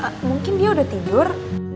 pak mungkin dia udah tidur